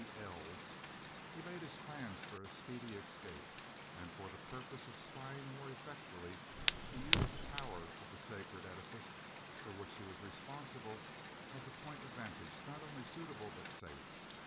Els, he laid his plans for a speedy escape, and for the purpose of spying more effectually he used the tower of the sacred edifice for which he was responsible, as a point of vantage not only suitable but safe.